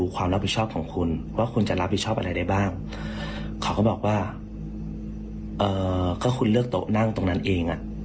ก็คุณเลือกโต๊ะนั่งตรงนั้นเอง